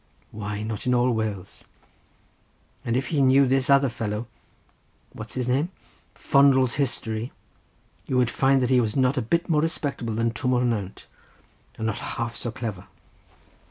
Why, not in all Wales. And if you knew this other fellow—what's his name—Fondle's history, you would find that he was not a bit more respectable than Twm o'r Nant, and not half so clever.